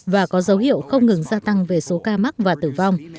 và có dấu hiệu không ngừng gia tăng về số ca mắc và tử vong